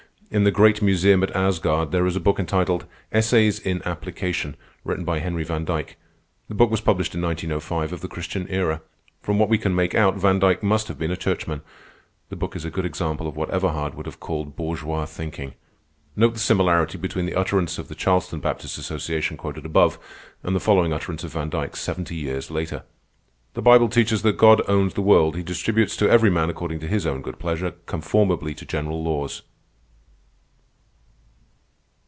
In the great museum at Asgard there is a book entitled "Essays in Application," written by Henry van Dyke. The book was published in 1905 of the Christian Era. From what we can make out, Van Dyke must have been a churchman. The book is a good example of what Everhard would have called bourgeois thinking. Note the similarity between the utterance of the Charleston Baptist Association quoted above, and the following utterance of Van Dyke seventy years later: "_The Bible teaches that God owns the world. He distributes to every man according to His own good pleasure, conformably to general laws.